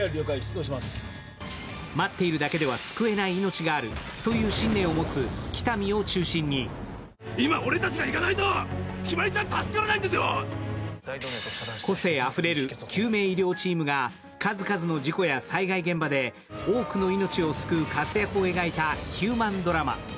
待っているだけでは救えない命があるという信念を持つ喜多見を中心に、個性あふれる救命医療チームが数々の事故や災害現場で多くの命を救う活躍を描いたヒューマンドラマ。